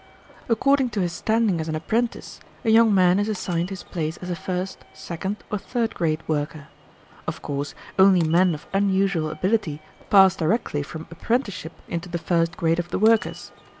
According to his standing as an apprentice a young man is assigned his place as a first, second, or third grade worker. Of course only men of unusual ability pass directly from apprenticeship into the first grade of the workers.